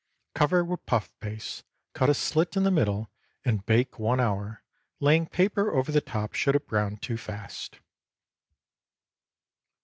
Cover with puff paste, cut a slit in the middle, and bake one hour, laying paper over the top should it brown too fast.